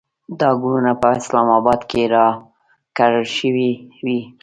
دا ګلونه په اسلام اباد کې راکړل شوې وې.